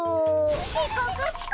ちこくちこく！